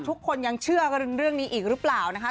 ทุกคนยังเชื่อกันเรื่องนี้อีกหรือเปล่านะคะ